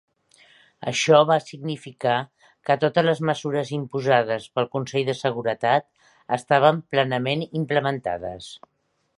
Això va significar que totes les mesures imposades pel Consell de Seguretat estaven plenament implementades.